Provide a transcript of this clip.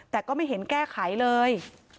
แต่ก็ไม่เห็นแก้ไขเลย